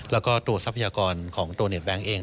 แล้วก็ตัวทรัพยากรของตัวเน็ตแก๊งเอง